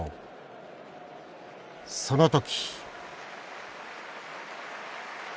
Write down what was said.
その時。